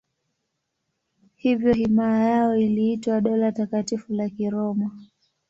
Hivyo himaya yao iliitwa Dola Takatifu la Kiroma.